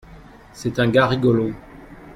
C'est ur gars rigolo.